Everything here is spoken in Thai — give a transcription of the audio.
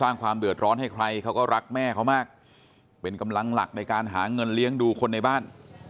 ความเดือดร้อนให้ใครเขาก็รักแม่เขามากเป็นกำลังหลักในการหาเงินเลี้ยงดูคนในบ้าน